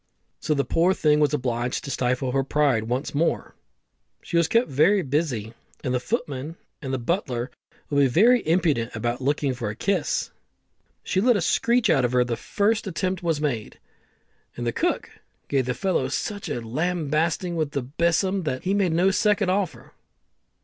So the poor thing was obliged to stifle her pride once more. She was kept very busy, and the footman and the butler would be very impudent about looking for a kiss, but she let a screech out of her the first attempt was made, and the cook gave the fellow such a lambasting with the besom that he made no second offer.